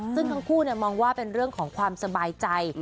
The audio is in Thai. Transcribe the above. ซึ่งทั้งคู่มองว่าเป็นเรื่องของความสบายใจ